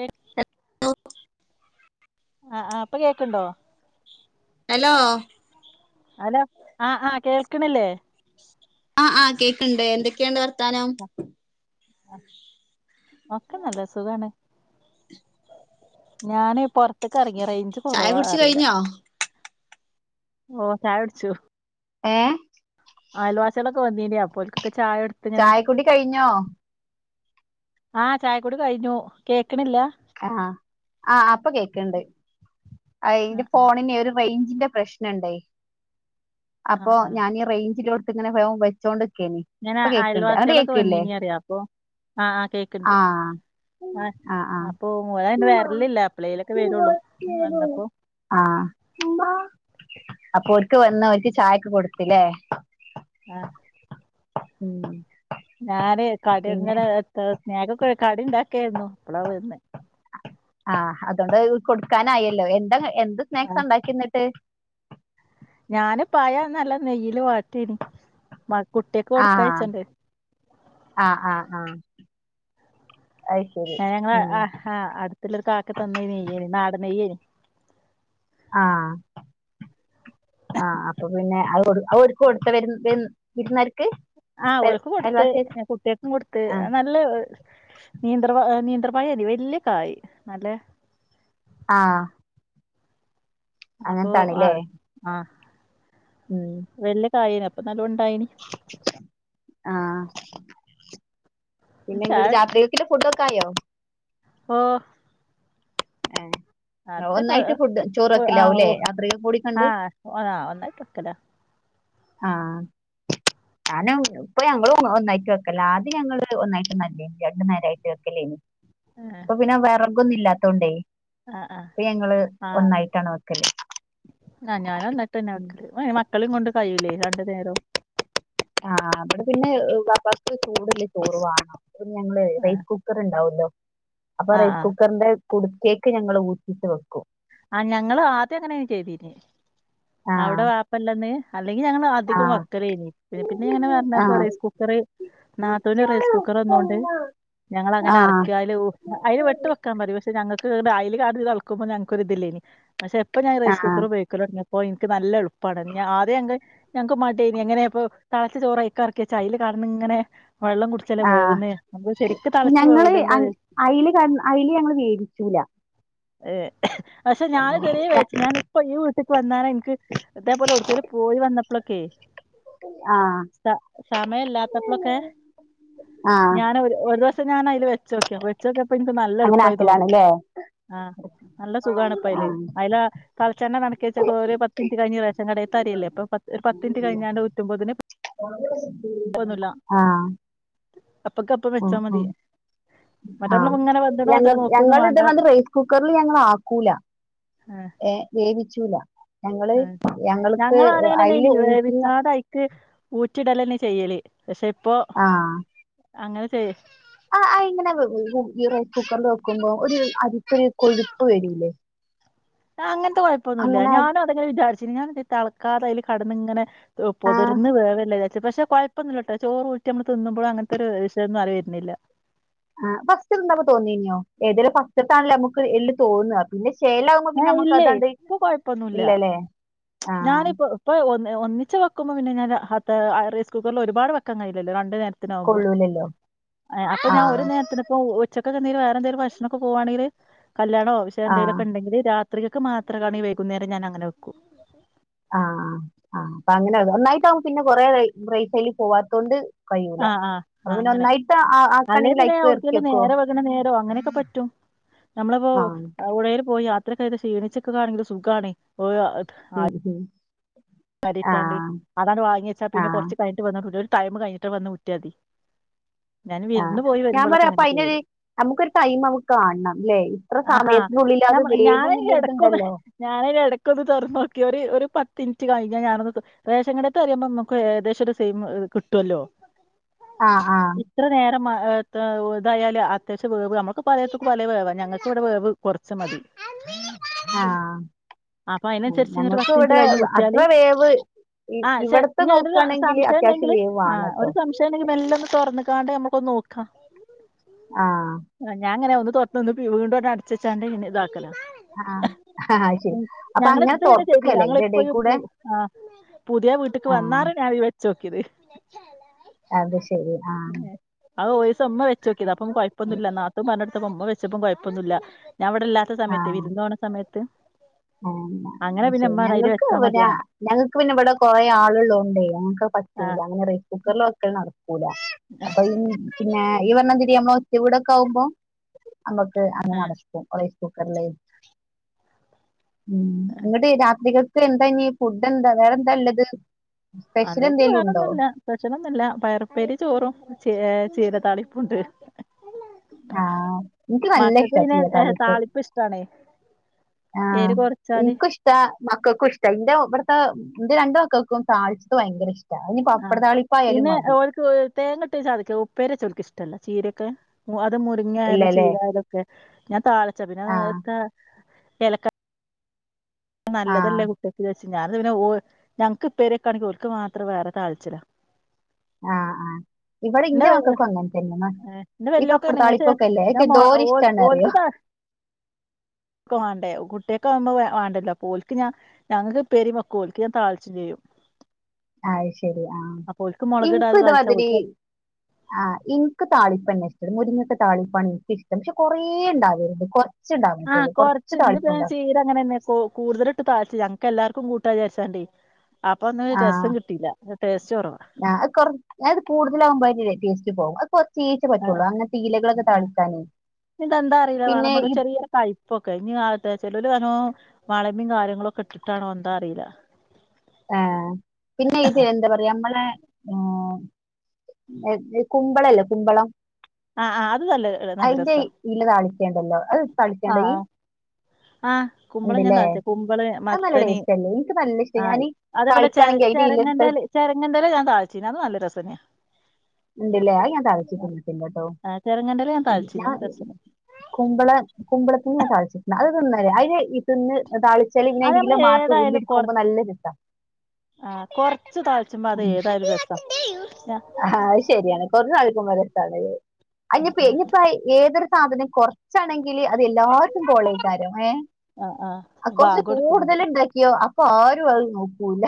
ഏട ഹ ആ ആ് ഇപ്പൊ കേൾക്കണ്ടോ? ഹലോ ഹലോ ആ ആ കേൾക്കണില്ലേ ആഹ് ആഹ് കേൾക്കുണ്ട് എന്തൊക്കെയുണ്ട് വർത്താനം? ഒക്കെ നല്ല സുഖാണ് ഞാന് പൊർത്ത്ക്ക് എറങ്ങിയ റേഞ്ച് ചായ കുറവാ കുടിച്ച് അറില്ല കഴിഞ്ഞോ ഓ ചായടിച്ചു ഏ ആലവാസിളോക്ക വന്നീനീ അപ്പോൽക്കൊക്കെ ചായടുത്ത് ചായക്കുടി കഴിഞ്ഞോ? ആ ചായക്കൂടി കഴിഞ്ഞു കേക്ക്ണില്ല ആഹ ആ അപ്പൊ കേക്കണ്ട് അ ആ ഇന്റെ ഫോണിനെ ഒരു റേഞ്ചിന്റെ പ്രശ്നണ്ടേ ആ ആ അപ്പൊ ആ. ഞാൻ റേഞ്ചിലോ ഇങ്ങനെ പഴം പഴുത്തോണ്ട്ക്കേനി ഞാൻ അയൽവാസികളൊക്കെ വന്നീനി പറിയാ അപ്പൊ ആഹ് ആ കേക്കണ്ട് ആ ആ ആ പോ ഓല അയിന് വരലില്ലാ എപ്ലേലൊക്കെ വരുള്ളൂ വന്നപ്പോ ആഹ് മ്മാ അപ്പൊ ഒര്ക്ക് വന്ന് ഒ ാൽക്ക് ചായക്ക് കൊടുത്തില്ലേ ആ ഉം ഞാന് പിന്നെ കടങ്ങനെ സ്നാക്ക് ഒക്കെ കട ഉണ്ടാക്കിയാരുന്നു അപ്പളാ വരുന്ന ആഹ് അതുകൊണ്ട് കൊടുക്കാനായല്ലോ എന്താ എന്ത് ആ സ്നാക്സ് ണ്ടാക്കിന്നിട്ട്? ഞാന് പയ നല്ല നെയ്യില് വാട്ടിനി മ കുട്ടിയക്ക് കൊടുക്കായച്ചണ്ട് ആ ആഹ് ആ അഹ് ഏ ഞങ്ങള ആ ആ ഹാ അടുത്തുള്ളൊരു കാക്ക തന്ന നെയ്യനിം നാടൻ നെയ്യനി. ആഹ ആ അപ്പൊ പിന്നെ അവർക്ക് കൊടുത്ത വ വിരുന്നാർക്ക് ആ ഓല്ക് ക്കൊടുത്ത് അയൽവാസികൾക്ക് കുട്ട്യാക്കും കൊടുത്ത് ആഹ് നല്ല നീന്ത്രപ നീന്ത്രപയേനി വല്യ കായ് നല്ലേ ആ അപ്പൊ ആ അങ്ങനത്താണ്ല്ലേ ആ ഉം വല്ല കായേനി അപ്പൊ നല്ലോണ്ടായിനി ആഹ് പിന്നെ ങ്ങൾ ചായ കുടിച്ചു രാത്രികക്കിള്ളെ ഫുഡ് ഒക്കായോ? ഓ ഏ അത്രക്കെ ഒന്നായിട്ട് ഫുഡ് ചോറ് വക്കലാവൂ ല്ലേ രാത്രിക്കെ കൂടി കണ്ട് ഓതാ ഒന്നായിട്ട് വക്കല ആഹ് [unintelligible] ഇപ്പൊ ഞങ്ങള് ഒന്നായിട്ട് വെക്കല ആദ്യം ഞങ്ങള് ഒന്നായിട്ട് നല്ല രണ്ടു നേരായിട്ട് വെക്കലേനി ആഹ് ഇപ്പൊ പിന്നെ വിറകൊന്നും ഇല്ലാത്തോണ്ടേ ആ പ്പ ഞങ്ങള് ഒന്നായിട്ടാണ് വെക്കല് ആഹ് ഞാനൻ ന്നിട്ട്ന്നെ ഉം വെക്കല് മക്കളി കൊണ്ട് കയില്ലേ രണ്ടു നേരം ആഹ അവിടെ പിന്നെ വാപ്പാക് [unintelligible] ചോറ് വാണം അ ഞങ്ങള് ആ റസ് കു കുക്കർ ഉണ്ടാവുല്ലോ അപ്പൊ ആ ആ റൈസ് കുക്കറിന്റെ കുടുത്തേക്ക് ഞങ്ങ ഊറ്റിച്ച് വെക്കും ആഹ് ഞങ്ങള് ആദ്യം അങ്ങനെ ചെയ്തീന് അവിടെ ആഹ് വാം ല്ലന്ന് അല്ലെങ്കിൽ ഞങ്ങൾ അധികം ആഹ് വക്കലേനി പിന്നെ പിന്നെ ഇങ്ങനെ പറഞ്ഞപ്പ ആഹ് റൈസ് കുക്കർ നാത്തൂന് റൈസ് കുക്കർ വന്നോണ്ട് ഞങ്ങള അങ്ങനെ ആഹ് എറക്കിയാല് അയ്ല് വെട്ട് പക്ഷ ഞങ്ങക്ക് അയ്ല് കാ തെളക്കുമ്പോ ഞങ്ങൾക്ക് ഇതില്ലേനി പക്ഷെ എപ്പ ഞാൻ റൈസ് ആഹ് കുക്കർ ഉപയോഗിക്കുലോടിങ്ങി ഓ ഇൻക്ക് നല്ല എളുപ്പാണ് ഞാൻ ആദ്യം അങ് ഞങ്ങക്ക് മടേനി എങ്ങനേപ്പൊ തളച്ച ചോറയ്ക്കെറക്കിവെച്ചാ അയ്ൽ കടന്ന്ങ്ങനെ വെള്ളം കുടി ച്ചില ആഹ് വേവുന്നേ നമ്മ ശെരിക്ക് തെളച്ച് വേവൂലല്ലോ അയ്ല് ക അയില് ഞങ്ങള് വേവിച്ചൂല ഏ പക്ഷെ ഞാനിതെരേ ഞ- വയ്ച്ചു ഞാൻ ഈ വീട്ട്ക്ക് വന്നാരെ ഇൻക്ക് ഇതെപോല ഓട്ക്കെലും പോയി വന്നപ്പോളൊക്കെ ആഹ് താ സമയല്ലാത്തപ്പളൊക്കെ ആഹ് ഞാൻ ഒരു ദിവസം ഞാൻ അതില് വെച്ച് നോക്കി വെച്ചോക്കിയപ്പോ നിക്ക് നല്ല അങ്ങനെ എളുപ്പായി തോന്നി ആക്കലാണല്ലേ ആഹ് നല്ല സുഖാണ് ആഹ് ഇപ്പ അയ്ല് ആഹ് അയ്ല് തളച്ചെണ്ണെ നടക്ക വച്ച ഒരു പത്തിച് കഴിഞ് റേഷം കടേ രിയല്ലേ ഇപ്പ പത്ത് ഒരു പത്തിൻറ്റ് കഴിഞ്ഞാണ്ട് ഉറ്റുമ്പോത്തിന് ആഹ് അപ്പക്കപ്പം വെച്ചാ ആഹ് മതി മറ്റേ ആ നമ്മള് ഇങ്ങനെ വെന്തണോ ഞങ്ങ വെന്തണോ നോക്കൊന്നും ഞങ്ങ വേണ്ട ഇത് [unintelligible] കുക്കറിൽ ഞങ്ങ ആക്കൂല ആഹ് ഏ വേവിച്ചൂല ഞങ്ങള് ഞങ്ങൾക്ക് അതിൽ ഊറ്റിയ ഏ ക്ക്‌ ഊറ്റിടല് ന്നെ ചെയ്യല് പക്ഷെ ഇപ്പോ ആഹ് അങ്ങനെ ചെയ്യ് ആ ഇങ്ങനെ ഈ റൈസ് കുക്കറിൽ വെക്കുമ്പോ ഒരു അരിക്കൊരു കൊഴുപ്പ് വെരില്ലേ ആ അങ്ങനത്തെ കുഴപ്പൊന്നുല്ല അങ്ങനെ ഞാനും അതങ്ങനെ വിചാരിച്ചി ഞാനൻ തളക്കാത അതിൽ കടന്ന് ഇങ്ങനെ ഓ ആ പൊതിർന്ന് വേവല്ലേ പക്ഷെ കുഴപ്പൊന്നില്ലട്ടോ ചോറ് ഊട്ടിമ്മ തിന്നുമ്പോഴും അങ്ങനത്തെ ഒരു വിഷംന്നും അറിയുന്നില്ല ഫസ്റ്റ് [unintelligible] തോന്നിന്യോ എതിൽ ഫസ്റ്റ് താണല്ലോ മ്മക്ക് എല്ലു തോന്ന്യ പിന്നെ ചേലാകുമ്പോ ഏ പിന്നെ നമ്മക്ക് ഇല്ലേ അതാണ്ട് ഇപ്പൊ കൊഴപ്പൊന്നുല്ല ഇല്ലല്ലേ ആ ഇപ്പ ഒ ഒന്നിച്ച് വെക്കുമ്പോൾ പിന്നെ ഞാൻ അ റൈസ് കുക്കറിൽ ഒരുപാട് വക്കാൻ കഴിയില്ലോ രണ്ട് നേര വുമ്പോ കൊള്ളൂലല്ലോ അപ്പൊ ഞാൻ ഒരു ആഹ് നേരത്തിന്പ്പോ ഒ ഉച്ചക്കെ വേറെന്തേലും ഭക്ഷണൊക്കെ പോവാണങ്കി കല്യാണോ പക്ഷ ആഹ് എന്തെങ്കിലൊക്കെണ്ടങ്കിൽ ചെ രാത്രികക്ക് മാത്രാകാണെ വൈകുന്നേരം ഞാ അങ്ങനെ വെക്കും ആഹ് ആഹ് അപ്പൊ അങ്ങനെ ഒന്നായിട്ട് അവ പിന്നെ കൊറെ റൈസയ്ൽ പോവാത്തോണ്ട് കഴിയൂല ആഹ ആഹ് അപ്പൊ ആ് പിന്നെ അങ്ങനെ ഒന്നായിട്ട് അല്ലേ ആക്കാണെങ്കിൽ അയിക്ക് എറക്കി പിന്നെവിടുത്തല് വെക്കോ നേര വകന നേരോ അങ്ങനെയൊക്കെ പറ്റും നമ്മളിപ്പോ ആഹ് എവിടേലും പോയി യാത്രയൊക്കെ ചെയ്ത് ക്ഷീണിച്ച് നിക്കുവാണെങ്കിൽ ണെങ്കിലും സുഖവാണ് ഉം ഉം അരിട്ടാണ്ട് ആഹ് അതങ്ങട്ട്‌ വാങ്ങി വച്ചാ പിന്നെ ആഹ് കുറച്ച് കഴിഞ്ഞിട്ട് വന്ന് ഒരു ടൈമ് കഴിഞ്ഞിട്ട് വന്ന് ഊറ്റിയാൽ മതി ഞാൻ ആഹ് വിരുന്ന് പോയി ഞാൻ വരുമ്പളൊക്കെ പറയാ അപ്പൊ അങ്ങനെ അയ്നൊരു ചെയ്യല് നമുക്കൊരു ടൈം നമുക്ക് കാണണം ഇല്ലേ ഇത്ര ആ ആ സമയത്തിനുള്ളിൽ അത് വേവൂന്നുള്ള ഒരിതുണ്ടല്ലോ ഞാനൊരു ഇടക്കൊന്ന് തൊറന്ന്‌ നോക്കി ഒരു ഒരു പത്ത്‌ മി നിറ്റ് കഴിഞ്ഞാ ഞാനത് റേഷൻകടേൽത്തേ അരിയാവുമ്പോ നമുക്ക് ഏകദേശം ഒരു ടൈമ് കിട്ടുവല്ലോ ആഹ് ആഹ് ഇത്ര നേരം ത്തെ ആ ഇതായാലും അത്യാവശ്യം വേവ് നമ്മുക്ക് പലയിടത്തും പല വേവാ ഞങ്ങൾക്കവിടെ വേവ് കൊറച്ച് മതി ആഹ് അപ്പൊ ഉം അതിനനുസരിച്ച് ഇങ്ങട്ട് ഞങ്ങക്ക് പത്ത്‌ മിനിറ്റ് ഇവിടെ കഴിഞ്ഞ് ഊറ്റിയാല് അത്ര വേവ് ഇ ആഹ് ശെ ഇവിടത്തെ ഞ നോക്കാണെങ്കില് സംശയം അത്യാവശ്യം ണ്ടെങ്കിൽ ആ വേവാണ് ട്ടോ ഒര് സം സംശയം ഉണ്ടെങ്കിൽ മെല്ലെ ഒന്ന് തുറന്നക്കാണ്ട് നമുക്കൊന്ന് നോക്കാം ആഹ് ആഹ് ഞാനങ്ങനാ ഒന്ന് തുറന്ന് നോക്കീട്ട് വീണ്ടും അടച്ച് വച്ചാണ്ട് ഇന്ന ഇതാക്കലാ ആഹ് അഹ് ശരി അപ്പൊ അങ്ങനെ ഇതുവരെ ചെയ്തില്ല തൊറക്കാലേ ഞങ്ങള് ഇതിന്റെ ഇടേല് ഇപ്പോഴും ആഹ് പുതിയ വീട്ടിക്ക് ആഹ് വന്നാറ ഞാനിത് വച്ച് നോക്കിയത് അത് ശരി ആഹ് അത് ഒരീസം ഉമ്മ വെച്ച് നോക്കിയതാ അപ്പ കുഴപ്പൊന്നുമില്ല നാത്തൂൻ പറഞ്ഞടുത്തപ്പം ഉമ്മ വച്ചപ്പം കുഴപ്പൊവൊന്നും ഇല്ല ഞാൻ ഇവിടെ എല്ലാ ട്ട സമയത്തേ വിരുന്ന്‌ പോണ സമയത്ത് ആ [unintelligible] അങ്ങനെ പിന്നെ ഉമ്മ പറഞ്ഞ് അതില് ഞങ്ങൾക്ക് വെച്ചാ മതി പിന്നെ പറഞ്ഞ് ഞങ്ങൾക്ക് പിന്നെ ഇവിടെ കൊറേ ആളുകള് ഉണ്ടേ ഞങ്ങൾക്കത് പറ്റൂല ആഹ് അങ്ങനെ റൈസ് കുക്കറിൽ വക്കല് നട ക്കൂല ആഹ് അപ്പൊ പിന്നെ ഈ പറഞ്ഞ മാതിരി നമ്മള് ചൂടൊക്കെ ആവുമ്പോ ഞമ്മക്ക് അത് ആഹ് നടക്കും റൈസ് കുക്കറില് ഉം എന്നിട്ടേ രാത്രിക്കേക്ക് എന്താ ഇനി ഫുഡ് എന്താ വേറെ എന്താ ഉള്ളത് സ്പെഷ്യൽ എന്തേലും ഉണ്ടോ സ്പെഷ്യൽ ഒന്നുവില്ല പയറ് ഉപ്പേരിയും ചോറും ചീര താളിപ്പുമുണ്ട് ആ എനിക്ക് നല്ല മക്കക്ക് ഇഷ്ടാ പിന്നെ ചീര താളിപ്പ് ഇഷ്ടാണേ എരു കൊറച്ച എനിക്ക് ഇഷ്ടവാ മക്കൾക്കും ഇഷ്ടവാ ഇന്റെ ഇവിടുത്തെ എന്റെ രണ്ട് മക്കൾക്കും താളിച്ചത് ഭയങ്കര ഇഷ്ടമാണ് അതിന് പപ്പടത്താളിപ്പായാലും മതി തേങ്ങയിട്ട് ചതക്കാ ഉപ്പേരി വെച്ചാ ഓലക്ക് ഇഷ്ടവല്ല ചീരയൊക്കെ അത് മുരിങ്ങ ആയാലും ഇല്ലല്ലേ ചീരായാലും ഒക്കെ ഞാൻ താളിച്ചതിന് ആ ത എലക്ക ആ നല്ലതല്ലേ കുട്ടികൾക്ക് വിചാരിച്ച് ഞാന് അത് പിന്നെ ഞങ്ങക്ക് ഇപ്പേരി വെക്കുവാണെങ്കിൽ ഓർക്ക് മാത്രം വേറെ താളിച്ചതാ ആഹ് ആഹ് ഇവിടെ ഇന്റെ മക്കക്കും അങ്ങന തന്നെ ആണ് ഇന്റെ ഈ വല്ല്യോക്ക് അങ്ങനെന്നെ പക്ഷെ പപ്പടത്താളിപ്പൊക്കെയില്ലേ അതൊക്കെ എന്തോരം ഇഷ്ടമാണന്നറിയോ ക്ക് വാണ്ടേ കുട്ടികൾക്ക് ആവുമ്പോ വാ വേണ്ടല്ലോ അപ്പോ ഓൽക്ക് ഞാൻ ഞങ്ങക്ക് ഇപ്പേരിയും വെക്കും ഓൽക്ക് ഞാൻ താളിച്ചും ചെയ്യും ആ ശരി ആ അപ്പോ ഓൾക്ക് മുളകിടാതെ എനിക്കും താളിച്ച ഇതുമാതിരി [unintelligible] ആഹ് എനിക്ക് താളിപ്പ് തന്നെ ഇഷ്ടം മുരിങ്ങിക്കാ താളിപ്പാണ് എനിക്ക് ഇഷ്ടം പക്ഷെ കൊറേ ഉണ്ടാവരുത് കൊറ ച്ച് ഉണ്ടാവാൻ പറ്റൂള്ളൂ കൊറച്ച് താളിപ്പുണ്ടാ ഇവിടെ അങ്ങനെ തന്നെ കൂ കൂടുതലിട്ട് താളിച്ച് ഞങ്ങക്ക് എല്ലർക്കും കൂട്ടാന്ന് വിചാരിച്ചാണ്ട് അപ്പൊ ഒന്നും ഒരു രസം കിട്ടിയില്ല ടേസ്റ്റ് കൊറവാ ആഹ് അത് കുറ അത് കൂടുതലാകുമ്പോൾ അതിന്റെ ടേസ്റ്റ് പോകും [unintelligible] ആ പറ്റൂള്ളൂ അങ്ങനത്തെ ഇലകളൊക്കെ ആ താളിക്കാനേ പിന്നെ ഈ കൈപ്പൊക്കെ ഇനി [unintelligible] ചെലൊരു [unintelligible] കാര്യങ്ങളും ഒക്കെ ഇട്ടിട്ടാണോ എന്താ അറിയില്ല ഏഹ്. പിന്നെ ഇത് എന്താ പറയാ നമ്മളെ ഹ് കുമ്പള ഇല്ലേ കുമ്പളം ആഹ് ആ അത് തല്ലേ അയ്ന്റെ ഇല താളിക്കെയ്ണ്ടല്ലോ അത് താളിക്കേണ്ട ഇയ് ആഹ് കുമ്പളം ഞാൻ താളിച്ച കുമ്പള അത് നല്ല മത്തന് ടേസ്റ്റ് അല്ലേ എനിക്ക് നല്ല ഇഷ്ട ആഹ് ഞാന് അതേപോലെ ചര താളിക്കാണെങ്കി അതിന്റെ ഇല എടുത്ത് ചെരങ്ങന്റെല ചെരങ്ങന്റെല ഞാൻ താളിചീനു അത് നല്ല രസന്നെ ഉണ്ടല്ലേ അത് ഞാൻ താളിച്ച് തിന്നിട്ടില്ല ട്ടോ ആ ചെറങ്ങന്റല ഞാൻ താൾച്ചീന്ന് അത് രസന കുമ്പളം കുമ്പളത്തിന് ഞാൻ താളിച്ചിട്ട് ല അയ് തിന്നലെ അയ്ന് ഇതിന്ന് താളി അയ്നെ അത് ഇല നമ്മള് മാത്ര ഏതായാലും കൊറ ഊമ്പിട്ക്കുമ്പം നല്ല രസ ആഹ് കൊറ്ച് താൾച്ച്മ്പോ അത് ഏതായാലും രസ ഞ ആഹ് അത് ശരിയാണ്. കൊറ്ച്ച് താൾക്കിമ്പം രസാണ്‌. അയ്ന്പ്പ ഇഞ്പ്പ ഏതൊരു സാധനം കൊറ് ച്ചാണെങ്കില് അത് എല്ലാർക്കും കോളേക്കാരം ഏ. ആഹ് ആഹ് ആ കൊറ്ച്ച് ബാങ്ക് കൊടുക്കുന്നുണ്ട് കൂടുതല് ഇണ്ടാക്കിയോ ഇപ്പ ആരും അത് നോക്കൂല.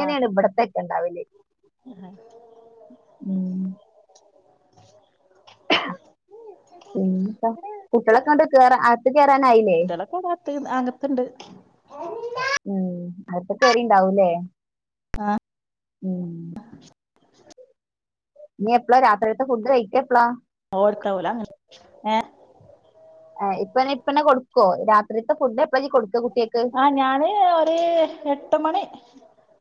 ആഹ് ഇബട്ത്തെക്കെ ഇണ്ടാവല്. [unintelligible] ഉം [inaudible] പിന്നെ കുട്ട്യേളൊക്കെ കൊണ്ട് കേറ അകത്ത് കേയറാനായില്ലെ അങ്ങത്ത് ഇണ്ട് ഉം ഔത്ത്ക്കേറീണ്ടാവുലേ. ആഹ് ഉം ഇനി എപ്പളാ രാത്രികത്തെ ഫുഡ്‌ കഴിക്ക എപ്ലാ ഓർക്കാവൂല ഏഹ് ഇപ്പന്നെ ഇപ്പന്നെ കൊട്ക്കോ രാത്രിത്തെ ഫുഡ് എപ്പള ഇജ്ജ് കൊട്ക്ക കുട്ട്യേക്ക്. ആഹ് ഞാന് ഒരു എട്ട് മണി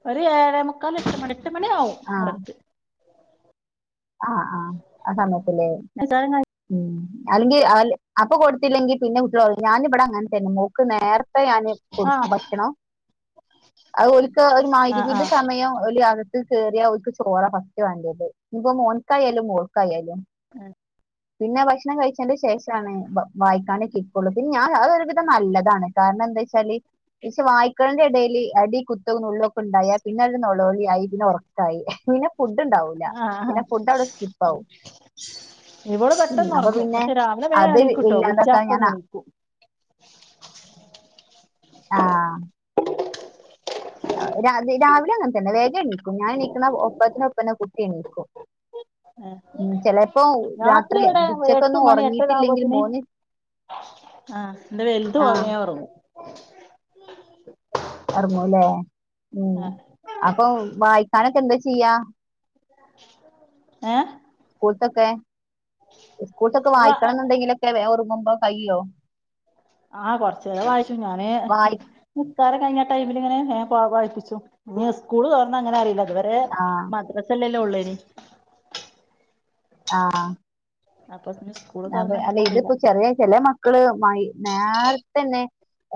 ഒരു ഏഴേ മുക്കാൽ എട്ട് മണി എട്ട് മണി ആവും. കറക്ട് ആഹ് ആഹ് ആ സമയത്ത്ലെ നിസ്കാരം കഴിഞ്ഞ് ഉം അല്ലെങ്കി [unintelligible] അപ്പൊ കൊടുത്തില്ലെങ്കി പിന്നെ കുട്ട്യേളറിം ഞാനിവിടെ അങ്ങൻ തന്നെ മോക്ക് നേർ ഇപ്പ ഞാന് ആഹ് കൊടുക്കു ഭക്ഷണം അഹ് ഓല്ക്ക് ഒരു ആഹ് മഹ്രിവിന്റെ ആഹ് സമയം ഓല് കേറ്യാ ചോറ ഫസ്റ്റ് വേണ്ട്യേത്. ഇഞ്പ്പോ മോൻക്കായാലും മോൾക്കായാലും. എ പിന്നെ ഭക്ഷണം കഴിച്ചതിന്റെ ശേഷാണ് വായിക്കാനൊക്കെ ഇരിക്കൊള്ളൂ. പിന്നെ ഞാൻ അതൊ ഒരു വിധം നല്ലതാണ്. കാര്ണം എന്തായ്ചാല് പക്ഷെ വായ്ക്ക്ണേന്റെ എടേല് അടി കുത്ത്, നുള്ള്വക്കെ ഇണ്ടായാ പിന്നെ നൊളോളി ആയി പിന്നെ ഒറ പിന്നെ ഫുഡ് ഇണ്ടാവൂല. ആഹ് ആഹ് പിന്നെ ഫുഡ് അവിടെ സ്കിപ്പ് ആവും. ഇവള് ഉം പെട്ടെന്ന് അപ്പ ഒറങ്ങും പിന്നെ പക്ഷെ രാവിലെ വേഗം അത് എണീക്കുട്ടോ വിളിച്ചാ ഇല്ലാതൊക്കെ അപ്പം ഞാനാ എണീക്കും ആഹ് രാവിലെ അങ്ങനെ തന്നെ വേഗം എണീക്കും. ഞാൻ എണീക്കുന്ന ഒപ്പത്തിന് ഒപ്പന്നെ കുട്ടി എണീക്കും. ഉം ചെലേപ്പോ രാത്രി ഇവിടെ എട്ട് ഉച്ചക്കൊന്നും മണി എട്ടര ഒറങ്ങീട്ടില്ലെങ്കിൽ ആവുമ്പോത്തിന് മോന് ആഹ് ഇന്റെ വൽത് ആ ഒറങ്ങ്യാ ഒറങ്ങും. ഒറങ്ങു ലേ. ഉം ആഹ് അപ്പൊ വായിക്കാനൊക്കെ എന്താ ചെയ്യാ ഏഹ്. സ്കൂൾത്തൊക്കെ സ്കൂൾത്തൊക്കെ വായിക്കണം ഏഹ് ഇന്ന്ണ്ടെങ്കിലൊക്കെ വേം ഒറങ്ങുമ്പോ കയ്യൊ ആഹ് കൊറചെരം വായിച്ചു ഞാന് വായി നിസ്ക്കാരം കഴിഞ്ഞ ടൈമിലിങ്ങനെ പോക വായ്പ്പിച്ചും ഞ്ഞി സ്കൂള് തോറന്നാ ങ്ങന അറിയില്ല ത് വരെ ഏഹ് ആഹ് മദ്രാസല്ലല്ലേ ഉള്ളേനി ആഹ്. അപ്പം അപ്പോ അല്ലേ ഇതിപ്പോ ചെറിയ ചെലെ മക്കള് നേർത്തന്നെ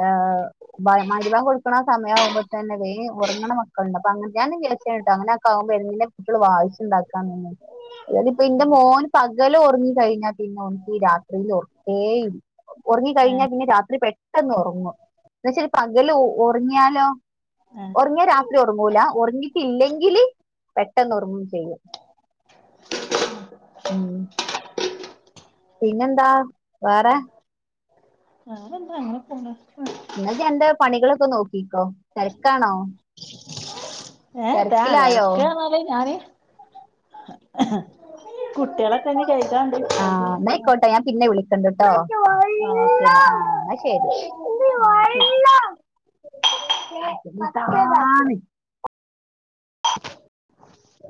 ഏയ് മ മഗ്രി ബാങ്കോടുക്ക്ണ സമയാകുമ്പോ തന്നെ വേം ഉറങ്ങണ മ ക്കളുണ്ട് അപ്പൊ ഞാനും വിചാരിച്ച് ട്ടോ അങ്ങനൊക്കെവുമ്പോ എങ്ങനെ കുട്ടികള് വായിച്ചുണ്ടാക്കാ അതായത് ഇപ്പൊ ന്റെ മോന് പകല് ഒറ്ങ്ങി കഴിഞ്ഞാൽ. പിന്നെ ഓന്ക് രാത്രിയിൽ ഉറക്കേ ഉറങ്ങി കഴിഞ്ഞാൽ പിന്നെ രാത്രി പെ കെടന്നു ഉറങ്ങു പക്ഷേ ഈ പകല് ഒ ഉറങ്ങിയാലോ ഏഹ് ഉറങ്ങിയ രാ ത്രി ഒറങ്ങൂല ഉറങ്ങിട്ടില്ലെങ്കില് പെട്ടെന്ന് ഒറങ്ങും ചെയ്യും ഉം പിന്നെന്താ വേറെ വേറെന്താ അങ്ങനെ പോണ്‌ എന്നാ ഇയ്യ്‌ അന്റെ പണികളൊക്കെ നോക്കിക്കോ തിരക്കാണോ ഏഹ് താ തിരക്കിലായോ തെരക്ക് പറഞ്ഞാല് ഞാന് കുട്ടികളൊക്കെ ഇനി കഴുകാണ്ട് കഴുകി ആഹ് ന്നായിക്കോട്ടെ ഞാൻ പിന്നെ വിളി ക്കണ്ട്ട്ടോ ഓക്കെ എന്നാ ആഹ് ന്നാ ശരി ആഹ് എന്നാ ശരി എന്താണ് [inaudible]